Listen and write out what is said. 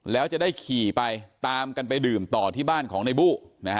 แล้วจะได้ขี่ไปตามกันไปดื่มต่อที่บ้านของในบู้